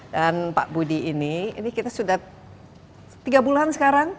dan pak budi ini ini kita sudah tiga bulan sekarang